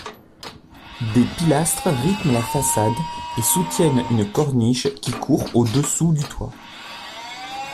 Des pilastres rythment la façade et soutiennent une corniche qui court au-dessous du toit.